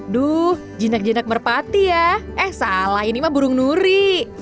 duh jinak jinak merpati ya eh salah ini mah burung nuri